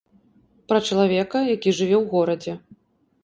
Пра чалавека, які жыве ў горадзе.